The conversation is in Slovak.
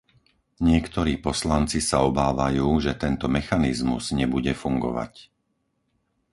Niektorí poslanci sa obávajú, že tento mechanizmus nebude fungovať.